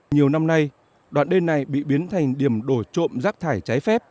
nhiều năm nay đoạn đê này bị biến thành điểm đổi trộm rác thải trái phép